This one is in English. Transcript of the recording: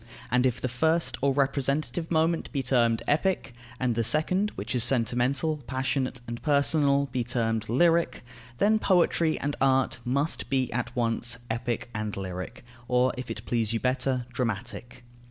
And if the first or representative moment be termed epic, and the second, which is sentimental, passionate, and personal, be termed lyric, then poetry and art must be at once epic and lyric, or, if it please you better, dramatic.